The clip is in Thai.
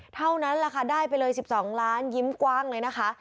เท่านั้นแหละค่ะได้ไปเลย๑๒ล้านยิ้มกว้างเลยนะคะ